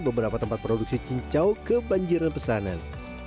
beberapa tempat produksi cincau kebanjiran pesanan